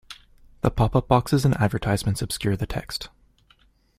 The pop-up boxes and advertisements obscured the text